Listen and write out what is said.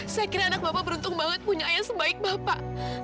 saya kira anak bapak beruntung banget punya ayah sebaik bapak